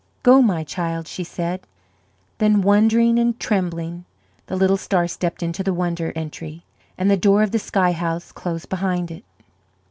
"Go, my child," she said. Then, wondering and trembling, the little star stepped into the Wonder Entry, and the door of the sky house closed behind it.